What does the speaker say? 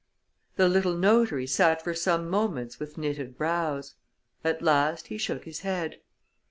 The little notary sat for some moments with knitted brows. At last he shook his head.